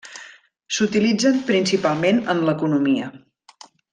S'utilitzen principalment en l'economia.